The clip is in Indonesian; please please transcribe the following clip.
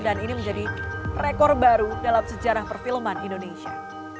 dan ini menjadi rekor baru dalam sejarah perfilman indonesia